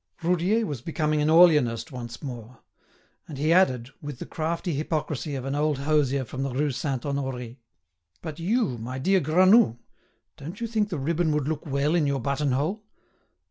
Roudier was becoming an Orleanist once more. And he added, with the crafty hypocrisy of an old hosier from the Rue Saint Honoré: "But you, my dear Granoux; don't you think the ribbon would look well in your button hole?